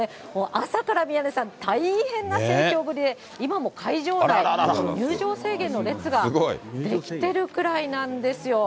朝から、宮根さん、大変な盛況ぶりで、今も会場内、入場制限の列が出来てるくらいなんですよ。